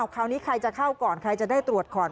คราวนี้ใครจะเข้าก่อนใครจะได้ตรวจก่อน